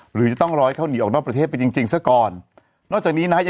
หรือจะต้องร้อยเขาหนีออกนอกประเทศไปจริงจริงซะก่อนนอกจากนี้นะ